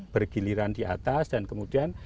bergiliran di atas dan kemudian